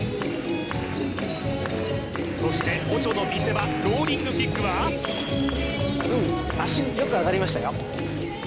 そしてオチョの見せ場ローリングキックはうん足よく上がりましたよ